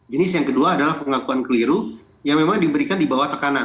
jenis yang kedua adalah pengakuan keliru yang memang diberikan di bawah tekanan